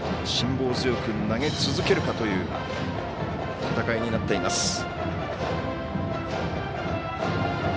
辛抱強く投げ続けるかという戦いになっています。